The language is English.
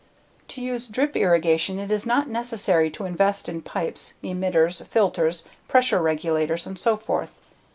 To use drip irrigation it is not necessary to invest in pipes, emitters, filters, pressure regulators, and so forth.